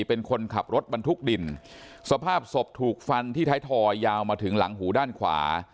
เป็นคนขับรถบรรทุกดินสภาพศพถูกฟันที่ท้ายทอยยาวมาถึงหลังหูด้านขวา